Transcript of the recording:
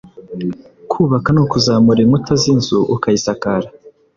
kubaka ni ukuzamura inkuta z’inzu ukayisakara,